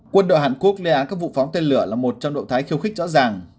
quân đội hàn quốc lên án các vụ phóng tên lửa là một trong động thái khiêu khích rõ ràng